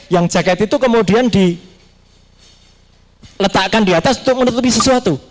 yang jaket itu kemudian diletakkan di atas untuk menutupi sesuatu